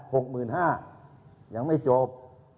หกหมื่นห้ายังไม่จบ